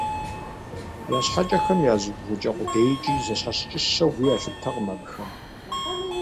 Я щхьэкӀэхэм я зыубгъукӀэ къудейкӀи зэщхьэщыкӀыщэу гу ялъыптэркъым абыхэм.